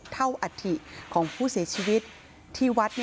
อัฐิของผู้เสียชีวิตที่วัด